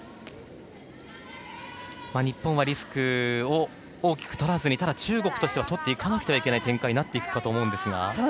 日本はリスクを大きくとらずにただ、中国としてはとっていかなくてはいけない展開になると思いますが。